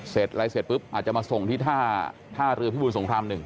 เสร็จอะไรเสร็จปุ๊บอาจจะมาส่งที่ท่าเรือพิบูรสงคราม๑